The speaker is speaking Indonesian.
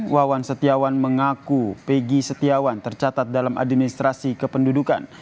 wawan setiawan mengaku pegi setiawan tercatat dalam administrasi kependudukan